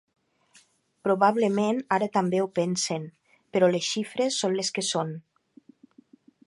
Probablement ara també ho pensen, però les xifres són les que són.